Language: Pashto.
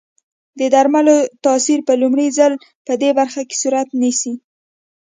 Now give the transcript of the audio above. د درملو تاثیر په لومړي ځل پدې برخه کې صورت نیسي.